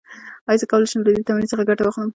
ایا زه کولی شم له دې تمرین څخه ګټه واخلم؟